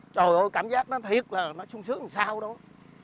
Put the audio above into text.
trời ơi cảm giác nó thiệt là nó sung sướng làm sao đâu